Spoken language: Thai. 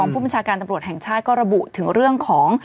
ปุรตอบรวชแห่งชาติก็ระบุถึงเรื่องของ